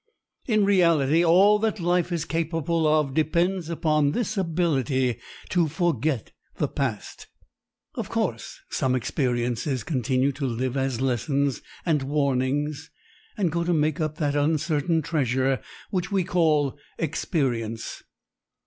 In reality all that life is capable of depends upon this ability to forget the past. Of course some experiences continue to live as lessons and warnings and go to make up that uncertain treasure which we call Experience.